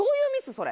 それ。